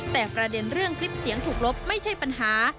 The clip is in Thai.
แต่ประเด็นเรื่องคลิปเสียงถูกลบไม่ใช่ปัญหา